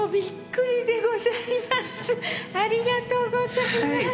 ありがとうございます。